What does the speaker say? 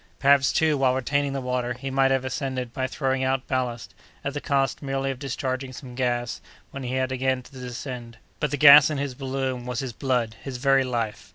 Perhaps, too, while retaining the water, he might have ascended by throwing out ballast, at the cost merely of discharging some gas, when he had again to descend. But the gas in his balloon was his blood, his very life!